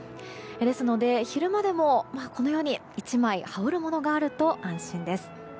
ですので、昼間でもこのように１枚羽織るものがあると安心です。